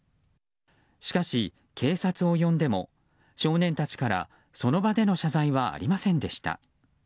しかし、警察を呼んでも少年たちからその場での謝罪はありませんでした。